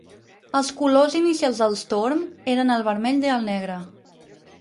Els colors inicials del Storm eren el vermell i el negre.